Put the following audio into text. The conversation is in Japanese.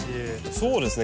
そうですね。